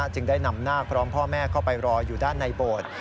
จึงได้นำนาคพร้อมพ่อแม่เข้าไปรออยู่ด้านในโบสถ์